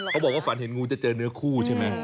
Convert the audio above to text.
ฝันเห็นงูจะเจอเนื้อคู่ใช่ไหม